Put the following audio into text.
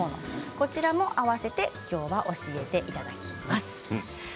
こちらも合わせてきょうは教えていただきます。